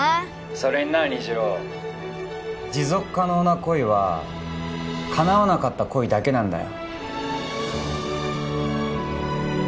それにな虹朗持続可能な恋はかなわなかった恋だけなんだよ